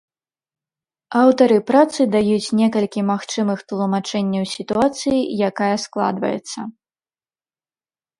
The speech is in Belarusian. Аўтары працы даюць некалькі магчымых тлумачэнняў сітуацыі, якая складваецца.